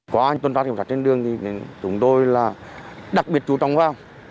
có ai tuần tra tuần tra trên đường thì chúng tôi là đặc biệt chủ trọng vào